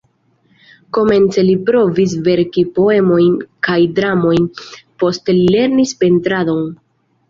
Komence li provis verki poemojn kaj dramojn, poste li lernis pentradon.